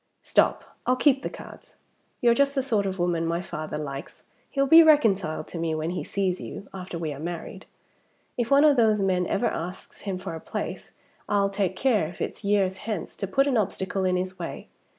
Stop! I'll keep the cards. You're just the sort of woman my father likes. He'll be reconciled to me when he sees you, after we are married. If one of those men ever asks him for a place, I'll take care, if it's years hence, to put an obstacle in his way!